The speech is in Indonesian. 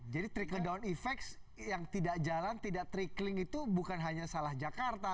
jadi trickle down effect yang tidak jalan tidak trickling itu bukan hanya salah jakarta